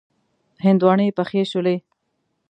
هندواڼی پخې شولې.